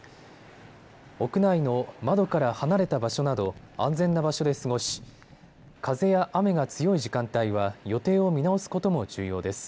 屋内の窓から離れた場所など安全な場所で過ごし風や雨が強い時間帯は予定を見直すことも重要です。